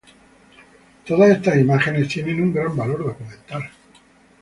Todas estas imágenes tienen un gran valor documental.